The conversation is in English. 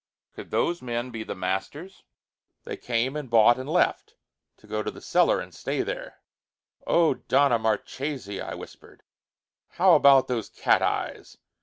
Could those men be the masters? They came and bought and left to go to the cellar and stay there! "Oh! Donna Marchesi!" I whispered. "How about those cat eyes?